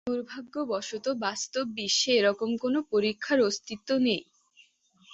দুর্ভাগ্যবশত বাস্তব বিশ্বে এরকম কোনও পরীক্ষার অস্তিত্ব নেই।